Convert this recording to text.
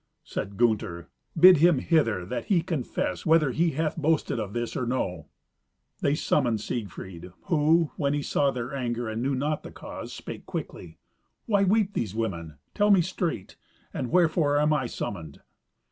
Said Gunther, "Bid him hither, that he confess whether he hath boasted of this, or no." They summoned Siegfried, who, when he saw their anger and knew not the cause, spake quickly, "Why weep these women? Tell me straight; and wherefore am I summoned?"